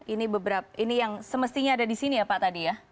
ini beberapa ini yang semestinya ada di sini ya pak tadi ya